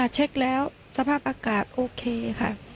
เช็คแล้วสภาพอากาศโอเคค่ะ